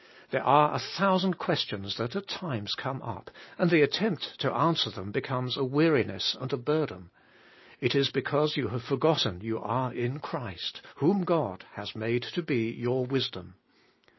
There are a thousand questions that at times come up, and the attempt to answer them be comes a weariness and a burden. It is because you have forgotten you are in Christ, whom God has made to be your wisdom.